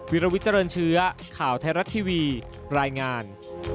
วิลวิเจริญเชื้อข่าวไทยรัฐทีวีรายงาน